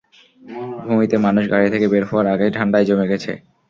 ভূমিতে, মানুষ গাড়ি থেকে বের হওয়ার আগেই ঠান্ডায় জমে গেছে!